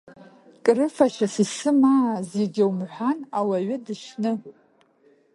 Крыфашьас исымааз, иагьа умҳәан, ауаҩы дышьны…